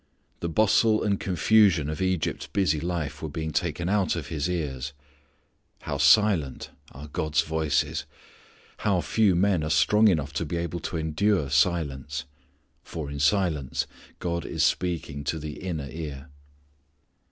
The bustle and confusion of Egypt's busy life were being taken out of his ears. How silent are God's voices. How few men are strong enough to be able to endure silence. For in silence God is speaking to the inner ear.